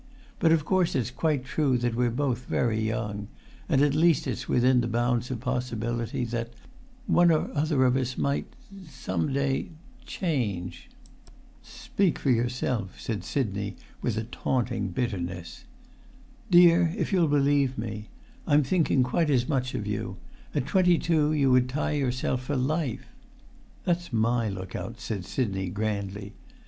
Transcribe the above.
But, of course, it's quite true that we're both very young; and at least it's within the bounds of possibility that—one or other of us might—some day—change." "Speak for yourself," said Sidney, with a taunting bitterness. "Dear, if you'll believe me, I'm thinking quite as much of you. At twenty two you would tie yourself for life!" "That's my look out," said Sidney, grandly.